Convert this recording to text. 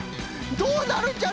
どうなるんじゃ？